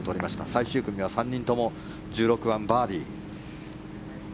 最終組は３人とも１６番、バーディー。